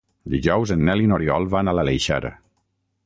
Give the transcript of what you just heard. Dijous en Nel i n'Oriol van a l'Aleixar.